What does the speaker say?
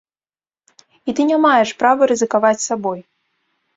І ты не маеш права рызыкаваць сабой.